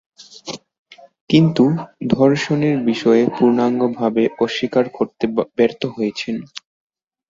কিন্তু ধর্ষণের বিষয়ে পূর্ণাঙ্গভাবে অস্বীকার করতে ব্যর্থ হয়েছেন।